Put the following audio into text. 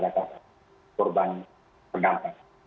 dan akan menjadi perubahan pegang